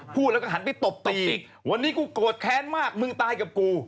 พูดแล้วก็หันไปตบตีวันนี้กูโกรธแค้นมากมึงตายกับกู